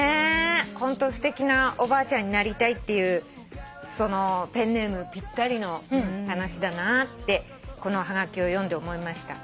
ホントすてきなお婆ちゃんになりたいっていうペンネームぴったりの話だなってこのはがきを読んで思いました。